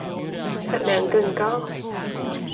產量更高